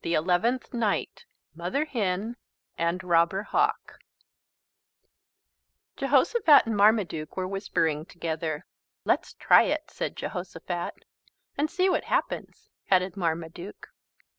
ELEVENTH NIGHT MOTHER HEN AND ROBBER HAWK Jehosophat and Marmaduke were whispering together. "Let's try it," said Jehosophat. "An' see what happens," added Marmaduke.